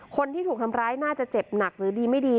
คนที่ถูกทำร้ายน่าจะเจ็บหนักหรือดีไม่ดี